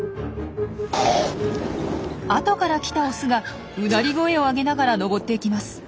後から来たオスがうなり声を上げながら登っていきます。